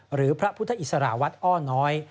หรือพระพุทธอิสระวัดอ้อน้อย